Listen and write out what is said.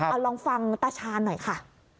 เอาลองฟังตาชาญหน่อยค่ะ